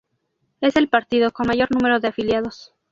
Es el partido con mayor número de afiliados.